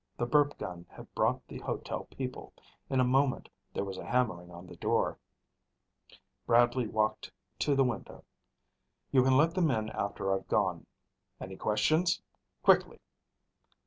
The burp gun had brought the hotel people. In a moment there was a hammering on the door. Bradley walked to the window. "You can let them in after I've gone. Any questions? Quickly!"